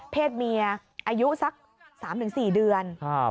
เมียอายุสัก๓๔เดือน